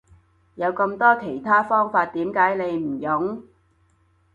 有咁多其他方法點解你唔用？